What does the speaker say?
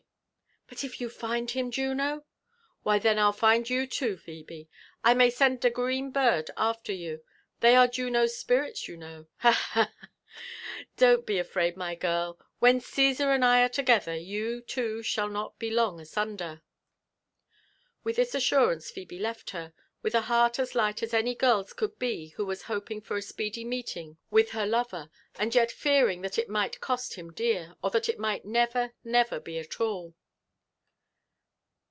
*'But if you find him, Juno?" *' Why then I'll find you too, Phebe. I may send a green bird after you ;* they are Juno's spirits/ you know, — ha! ha t ha 1 Don't be afraid, my girl : when Caesar and I are together, you two shall not be long asunder." With this assurance Phebe left her, with a heart as light as any girl's could be who was hoping for a speedy meeting with her lover, and yet fearing that it might cost him dear, or that it might never, never be at ail.